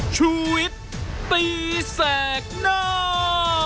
ชูวิทย์ตีแสกหน้า